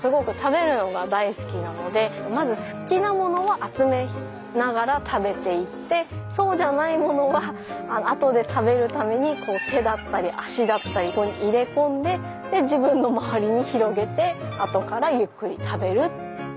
まず好きなものは集めながら食べていってそうじゃないものは後で食べるために手だったり足だったり入れ込んで自分の周りに広げて後からゆっくり食べる。